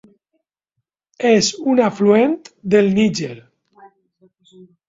És un afluent del Níger.